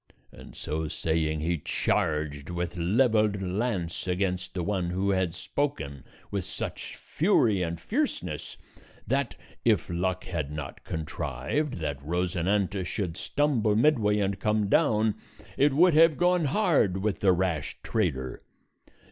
And so saying he charged with leveled lance against the one who had spoken, with such fury and fierceness that, if luck had not contrived that Rosinante should stumble midway and come down, it would have gone hard with the rash trader.